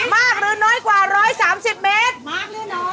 มากหรือน้อยกว่าร้อยสามสิบเมตร